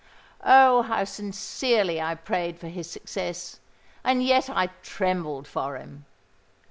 Oh! how sincerely I prayed for his success—and yet I trembled for him!